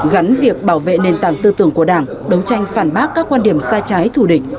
gắn việc bảo vệ nền tảng tư tưởng của đảng đấu tranh phản bác các quan điểm sai trái thù địch